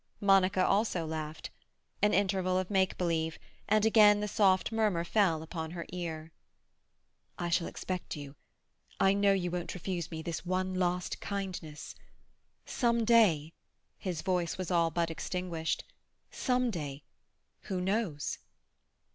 Monica also laughed. An interval of make believe, and again the soft murmur fell upon her ear. "I shall expect you. I know you won't refuse me this one last kindness. Some day," his voice was all but extinguished, "some day—who knows?"